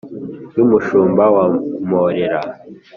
Y’umushumba wa Mporera